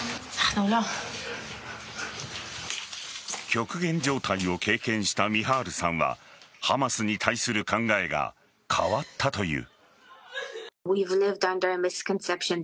極限状態を経験したミハールさんはハマスに対する考えが変わったという。